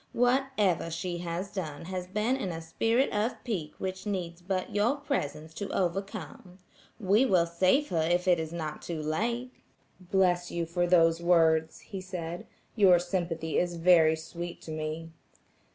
Whatever she has done has been in a spirit of pique which needs but your presence to overcome. We will save her if it is not too late." "Bless you for those words," he said, "your sympathy is very sweet to me."